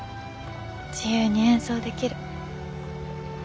自由に演奏できる。